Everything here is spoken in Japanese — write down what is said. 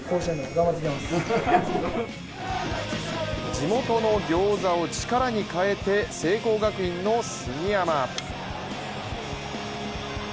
地元のギョーザを力に変えて聖光学院の杉山。